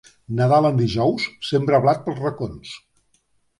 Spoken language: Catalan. Nadal en dijous, sembra blat pels racons.